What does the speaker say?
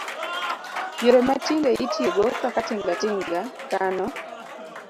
Yore ma tinde itiyogo kaka tinga tinga, kano